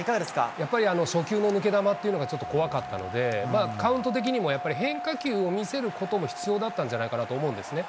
やっぱり初球の抜け球というのがちょっと怖かったので、まだカウント的にも、変化球を見せることも必要だったんじゃないかなと思うんですね。